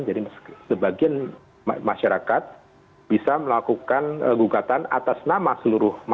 jadi sebagian masyarakat bisa melakukan gugatan atas nama seluruh masyarakat